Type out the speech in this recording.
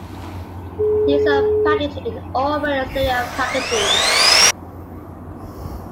These are packaged in all-red exterior packaging.